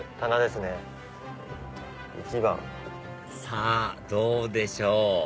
さぁどうでしょう？